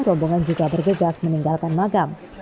rombongan juga bergegas meninggalkan makam